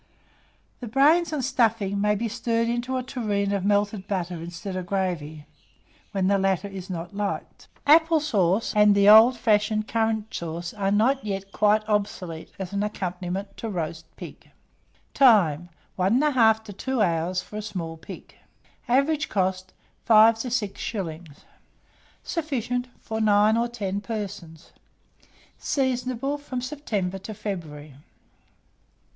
The brains and stuffing may be stirred into a tureen of melted butter instead of gravy, when the latter is not liked. Apple sauce and the old fashioned currant sauce are not yet quite obsolete as an accompaniment to roast pig. Time. 1 1/2 to 2 hours for a small pig. Average cost, 5s. to 6s. Sufficient for 9 or 10 persons. Seasonable from September to February.